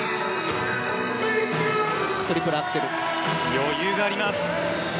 余裕があります。